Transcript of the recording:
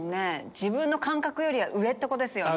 自分の感覚よりは上ってことですよね。